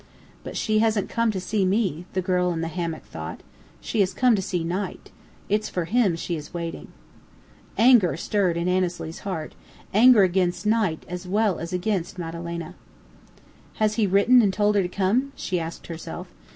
"But she hasn't come to see me," the girl in the hammock thought. "She has come to see Knight. It's for him she is waiting." Anger stirred in Annesley's heart, anger against Knight as well as against Madalena. "Has he written and told her to come?" she asked herself.